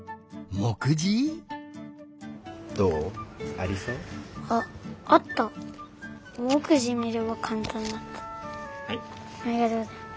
ありがとうございます。